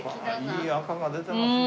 いい赤が出てますね。